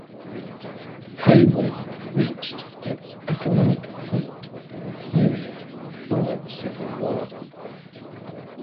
Haywood reached its economic peak in the period before the Civil War.